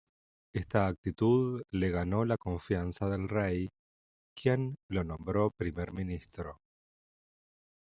Esta actitud le ganó la confianza del rey, quien lo nombró Primer Ministro.